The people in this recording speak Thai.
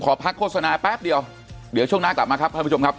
พักโฆษณาแป๊บเดียวเดี๋ยวช่วงหน้ากลับมาครับท่านผู้ชมครับ